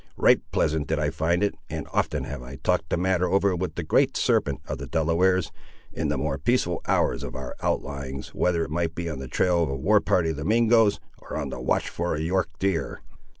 Right pleasant did I find it, and often have I talked the matter over with the Great Serpent of the Delawares, in the more peaceful hours of our out lyings, whether it might be on the trail of a war party of the Mingoes, or on the watch for a York deer.